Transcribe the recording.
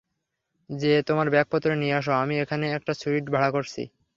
যেয়ে তোমার ব্যাগপত্র নিয়ে আসো, আমি এখানে একটা সুইট ভাড়া করছি।